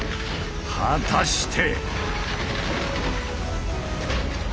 果たして。